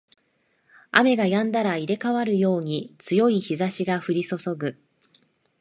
雨が止んだら入れ替わるように強い日差しが降りそそぐ